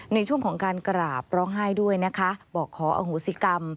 ในช่วงของการกราบร้องไห้ด้วยนะคะบอกขออโหสิกรรม